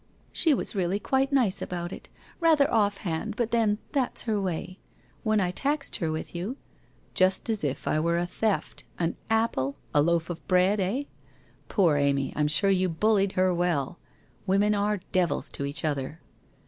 ' She was really quite nice about it. Rather offhand, but then that's her way. When I taxed her with you '* Just as if I were a theft — an apple, a loaf of bread, eh ? Poor Amy, I am sure you bullied her well ! Women are devils to each other.'